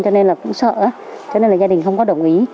cho nên là cũng sợ cho nên là gia đình không có đồng ý